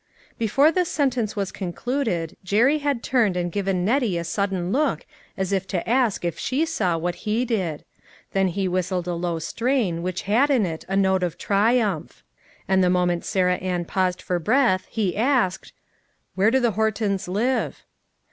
Before this sentence was concluded, Jerry had turned and given Nettie a sudden look as if to ask if she saw what he did ; then he whistled a low strain which had in it a note of triumph ; and the moment Sarah Ann paused for breath he asked : "Where do the Hortons live?"